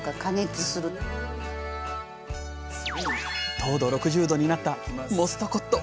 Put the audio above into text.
糖度６０度になったモストコット。